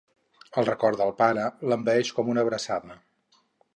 El record del pare l'envaeix com una abraçada.